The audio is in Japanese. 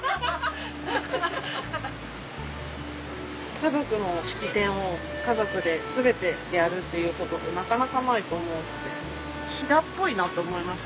家族の式典を家族で全てやるっていうことってなかなかないと思うので飛騨っぽいなと思います。